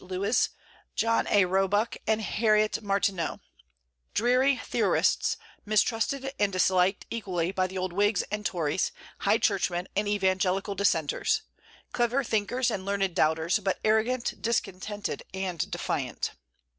Lewes, John A. Roebuck, and Harriet Martineau, dreary theorists, mistrusted and disliked equally by the old Whigs and Tories, high churchmen, and evangelical Dissenters; clever thinkers and learned doubters, but arrogant, discontented, and defiant.